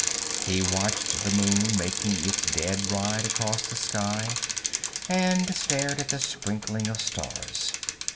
He watched the moon making its dead ride across the sky, and stared at the sprinkling of stars.